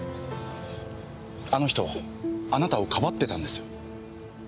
あの人あなたをかばってたんですよ。